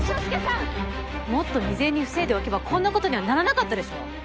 もっと未然に防いでおけばこんな事にはならなかったでしょ。